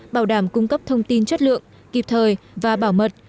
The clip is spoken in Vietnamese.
bảo đảm cung cấp thông tin chất lượng kịp thời và bảo mật